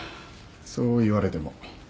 そう言われても。